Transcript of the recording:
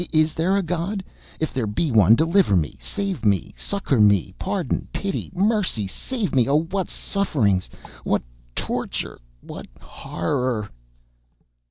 Is there a God? If there be one, deliver me! save me! succour me! Pardon! Pity! Mercy! Save me! Oh! what sufferings! what torture! what horror!